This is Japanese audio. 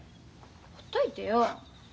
ほっといてよ。